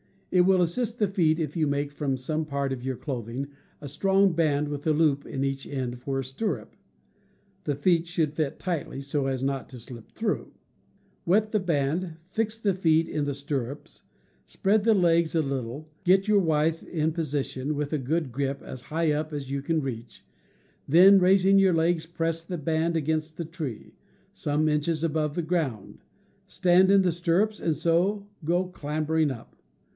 It will assist the feet if you make from some part of your clothing a strong band with a loop in each end for a stirrup (the feet should fit tightly, so as not to slip through), wet the band, fix the feet in the stir rups, spread the legs a little, get your withe in position with a good grip as high up as you can reach, then, raising your legs, press the band against the tree, some inches above the ground, stand in the stirrups, and so go clambering up.